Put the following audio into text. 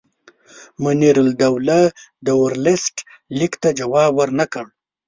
منیرالدوله د ورلسټ لیک ته جواب ورنه کړ.